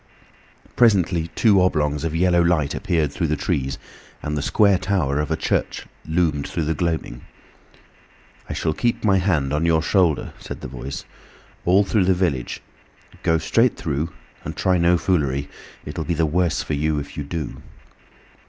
Presently two oblongs of yellow light appeared through the trees, and the square tower of a church loomed through the gloaming. "I shall keep my hand on your shoulder," said the Voice, "all through the village. Go straight through and try no foolery. It will be the worse for you if you do."